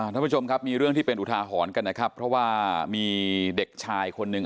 ท่านผู้ชมครับมีเรื่องที่เป็นอุทาหรณ์กันนะครับเพราะว่ามีเด็กชายคนหนึ่ง